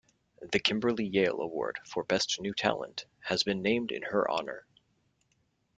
The Kimberly Yale Award for Best New Talent has been named in her honor.